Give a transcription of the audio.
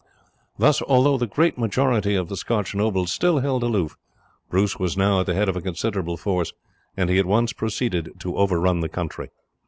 Thus, although the great majority of the Scotch nobles still held aloof, Bruce was now at the head of a considerable force, and he at once proceeded to overrun the country.